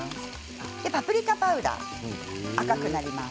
パプリカパウダー、赤くなります。